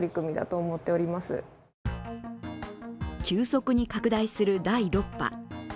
急速に拡大する第６波。